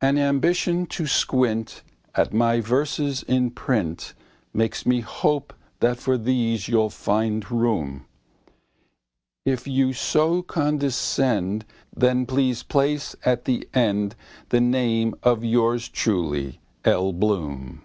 An ambition to squint At my verses in print Makes me hope that for these you'll find room. If you so condescend Then please place at the end The name of yours truly, L. Bloom.